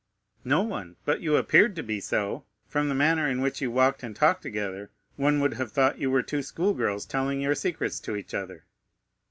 "No one, but you appeared to be so. From the manner in which you walked and talked together, one would have thought you were two school girls telling your secrets to each other."